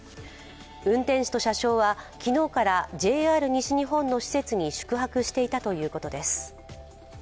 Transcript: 運転士と車掌は昨日からＪＲ西日本の施設に宿泊していたということです。